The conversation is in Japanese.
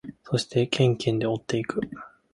そしてケンケンで追っていく。